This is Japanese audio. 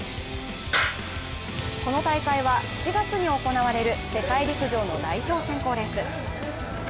この大会は７月に行われる世界陸上の代表選考レース。